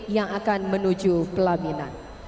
yang akan menuju pelaminan